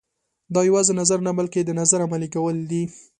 دا یوازې نظر نه بلکې د نظر عملي کول دي.